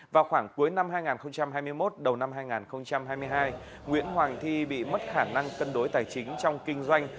vào khoảng cuối năm hai nghìn hai mươi một đầu năm hai nghìn hai mươi hai nguyễn hoàng thi bị mất khả năng cân đối tài chính trong kinh doanh